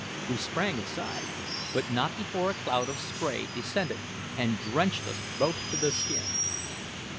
We sprang aside, but not before a cloud of spray descended and drenched us both to the skin.